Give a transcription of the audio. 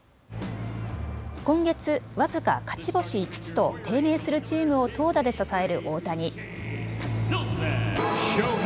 今月、僅か勝ち星５つと低迷するチームを投打で支える大谷。